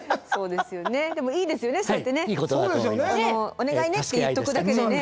お願いねって言っとくだけでね。